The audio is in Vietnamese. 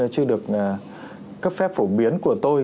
chưa được cấp phép phổ biến của tôi